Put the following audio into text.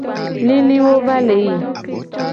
Liliwo va le yi.